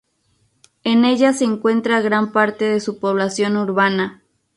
En ella se concentra gran parte de su población urbana.